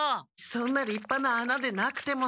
そんなりっぱな穴でなくても。